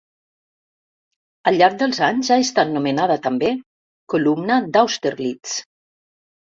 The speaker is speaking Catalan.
Al llarg dels anys ha estat nomenada també Columna d'Austerlitz.